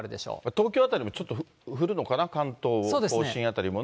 東京辺りもちょっと降るのかな、関東甲信辺りもね。